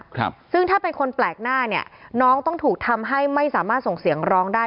ครับซึ่งถ้าเป็นคนแปลกหน้าเนี้ยน้องต้องถูกทำให้ไม่สามารถส่งเสียงร้องได้